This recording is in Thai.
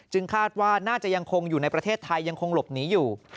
คาดว่าน่าจะยังคงอยู่ในประเทศไทยยังคงหลบหนีอยู่